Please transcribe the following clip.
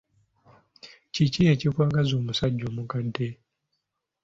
Kiki ekikwagaza omusajja omukadde?